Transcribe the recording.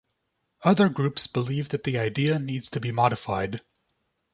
Other groups believe that the idea needs to be modified.